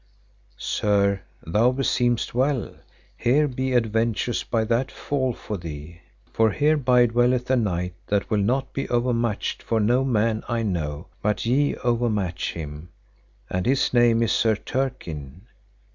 Sir, thou beseemest well, here be adventures by that fall for thee, for hereby dwelleth a knight that will not be overmatched for no man I know but ye overmatch him, and his name is Sir Turquine.